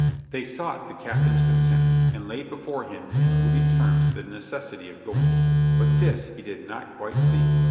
They sought the cap tain's consent, and laid before him in moving terms the necessity of going; but this he did not quite see.